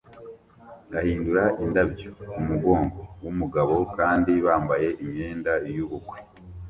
ahindura indabyo kumugongo wumugabo kandi bambaye imyenda yubukwe